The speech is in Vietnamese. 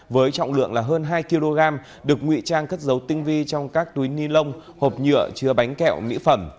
với trọng lượng là hơn hai kg được nguy trang cất dấu tinh vi trong các túi ni lông hộp nhựa chứa bánh kẹo mỹ phẩm